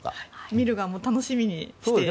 見る側も楽しみにしています。